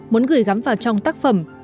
muốn gửi gắm vào trong tác phẩm